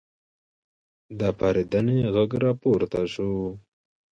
د پارېدنې غږ راپورته شو.